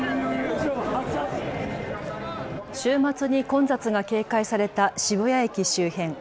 週末に混雑が警戒された渋谷駅周辺。